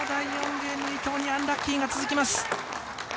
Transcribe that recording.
ゲーム伊藤にアンラッキーが続きます。